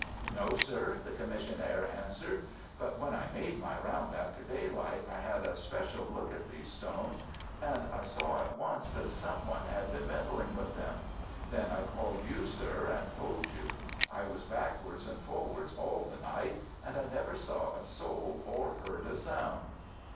"No, sir," the commissionaire answered. "But when I made my round after daylight I had a special look at these stones, and I saw at once that some one had been meddling with them. Then I called you, sir, and told you. I was backwards and forwards all the night, and I never saw a soul or heard a sound."